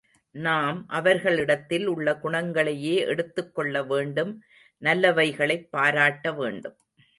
நாம் அவர்களிடத்தில் உள்ள குணங்களையே எடுத்துக் கொள்ள வேண்டும் நல்லவைகளைப் பாராட்ட வேண்டும்.